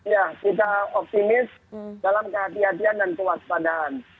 ya kita optimis dalam kehatian dan kewaspadaan